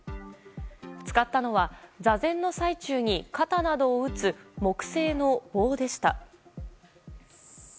使ったのは座禅の最中に肩などを打つ木製の棒でした。